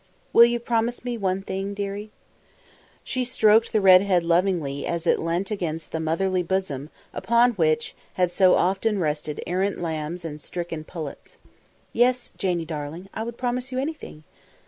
"Will you promise me one thing, dearie?" She stroked the red head lovingly as it leant against the motherly bosom upon which had so often rested errant lambs and stricken pullets. "Yes, Janie darling. I would promise you anything!"